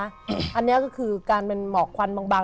อันนี้ก็คือการเป็นหมอกควันบาง